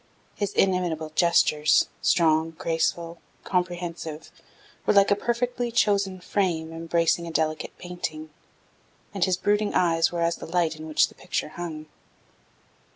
His inimitable gestures, strong, graceful, comprehensive, were like a perfectly chosen frame embracing a delicate painting, and his brooding eyes were as the light in which the picture hung.